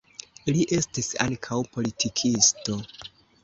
Li estis ankaŭ politikisto.